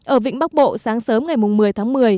ở vịnh bắc bộ sáng sớm ngày một mươi tháng một mươi